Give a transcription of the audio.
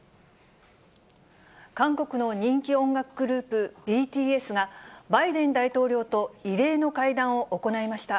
韓国の人気音楽グループ、ＢＴＳが、バイデン大統領と異例の対談を行いました。